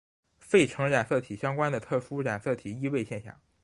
费城染色体相关的特殊染色体易位现象。